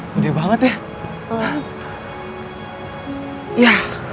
budi banget ya